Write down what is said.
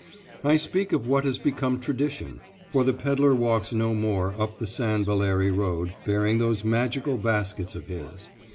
I speak of what has become tradition, for the pedler walks no more up the St. Valérie road, bearing those magical baskets of his.